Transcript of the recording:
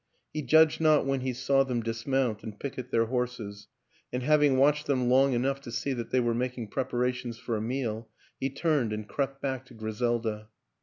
He judged not when he saw them dismount and picket their horses; and having watched them long enough to see that they were making preparations for a meal, he turned and crept back to Griselda.